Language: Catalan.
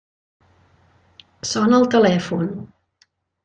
Sona el telèfon.